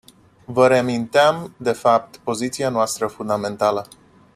Vă reaminteam, de fapt, poziția noastră fundamentală.